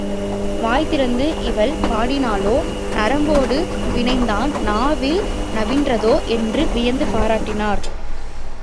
வாய் திறந்து இவள் பாடினாளோ நரம்பொடு வீணைதான் நாவில் நவின்றதோ என்று வியந்து பாராட்டினர்.